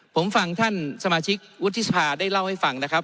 ผมฟังท่านสมาชิกวุฒิสภาได้เล่าให้ฟังนะครับ